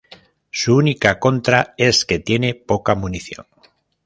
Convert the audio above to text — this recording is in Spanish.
Su única contra es que tiene poca munición.